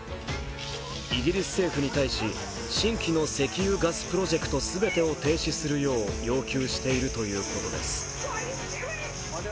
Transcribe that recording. イギリス政府に対し新規の石油・ガスプロジェクト全てを停止するよう要求しているということです。